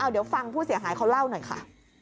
เดี๋ยวฟังผู้เสียหายเขาเล่าหน่อยค่ะ